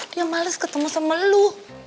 dia males ketemu sama lu